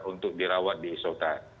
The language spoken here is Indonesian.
untuk dirawat di isoter